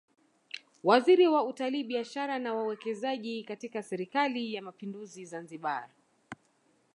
Waziri wa Utalii Biashara na Uwekezaji katika Serikali ya Mapinduzi Zanzibar